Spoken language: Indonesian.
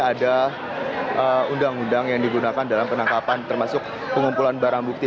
ada undang undang yang digunakan dalam penangkapan termasuk pengumpulan barang bukti